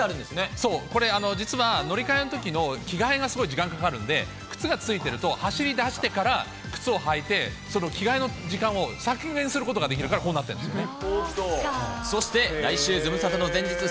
そう、これ実は、乗り換えのときの着替えが時間かかるんで、靴がついてると走りだしてから靴を履いて、着替えの時間を削減することができるからこうなってるんですね。